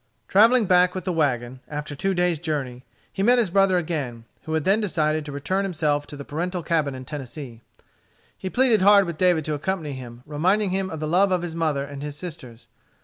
Travelling back with the wagon, after two days' journey, he met his brother again, who had then decided to return himself to the parental cabin in Tennessee. He pleaded hard with David to accompany him reminding him of the love of his mother and his sisters.